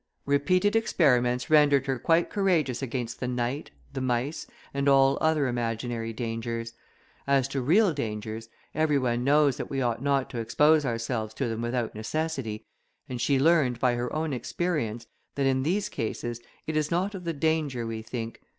Repeated experiments rendered her quite courageous against the night, the mice, and all other imaginary dangers. As to real dangers, every one knows that we ought not to expose ourselves to them without necessity, and she learned, by her own experience, that in these cases, it is not of the danger we think.